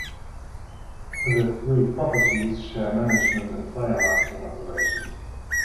The three properties share management and player marketing operations.